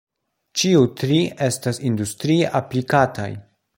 Ĉiu tri estas industrie aplikataj.